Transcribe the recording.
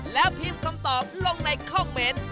แล้วพิมพ์คำตอบลงในคอมเมนต์